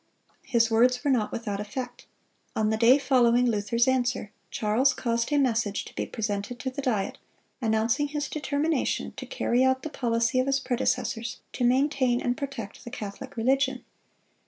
His words were not without effect. On the day following Luther's answer, Charles caused a message to be presented to the Diet, announcing his determination to carry out the policy of his predecessors to maintain and protect the Catholic religion.